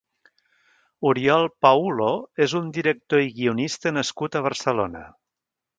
Oriol Paulo és un director i guionista nascut a Barcelona.